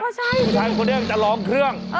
นี่มันก็กำปลายครูนิดเดียวอาจจะลองเครื่อง